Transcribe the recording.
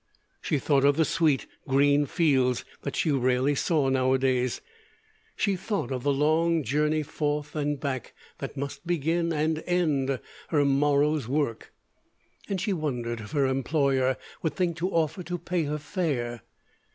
She thought of the sweet green fields that she rarely saw nowadays. She thought of the long journey forth and back that must begin and end her morrow's work, and she wondered if her employer would think to offer to pay her fare.